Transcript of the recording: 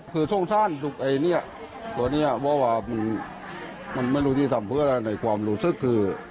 คือช่วงสั้นเนี่ยตัวนี้เพราะว่ามันไม่รู้ที่ทำเพื่ออะไรในความรู้สึกคือ